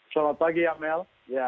selamat pagi amel